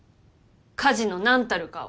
家事の何たるかを。